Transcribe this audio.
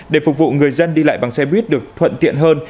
để phục vụ người dân đi lại bằng xe buýt được thuận tiện hơn